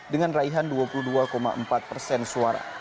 dengan raihan dua puluh dua empat persen suara